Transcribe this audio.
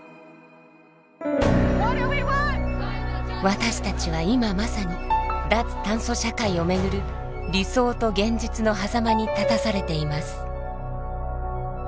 私たちは今まさに脱炭素社会を巡る「理想と現実のはざま」に立たされています。